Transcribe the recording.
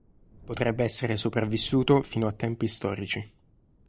Potrebbe essere sopravvissuto fino a tempi storici.